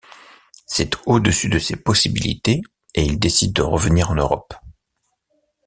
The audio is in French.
C'est au-dessus de ses possibilités et il décide de revenir en Europe.